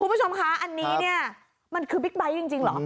คุณผู้ชมคะอันนี้เนี่ยมันคือบิ๊กไบท์จริงเหรอ